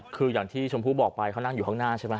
คืออย่างที่ชมพู่บอกไปเขานั่งอยู่ข้างหน้าใช่ไหม